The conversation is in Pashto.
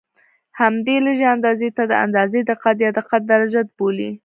همدې لږې اندازې ته د اندازې دقت یا دقت درجه بولي.